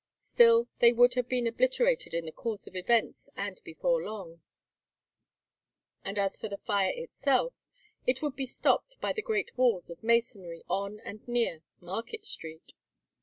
Still, they would have been obliterated in the course of events and before long; and as for the fire itself it would be stopped by the great walls of masonry on and near Market Street.